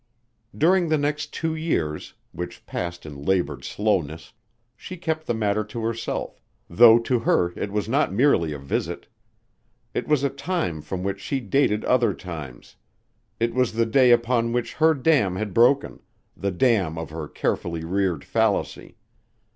During the next two years which passed in labored slowness, she kept the matter to herself, though to her it was not merely a visit. It was a time from which she dated other times. It was the day upon which her dam had broken: the dam of her carefully reared fallacy.